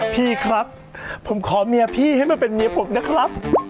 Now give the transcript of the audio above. พี่ครับผมขอเมียพี่ให้มาเป็นเมียผมนะครับ